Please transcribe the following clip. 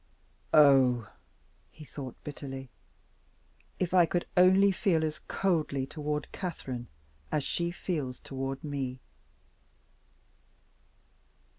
"Oh," he thought bitterly, "if I could only feel as coldly toward Catherine as she feels toward me!"